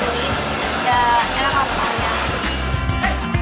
dan enak apa apa ya